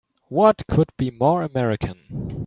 What could be more American!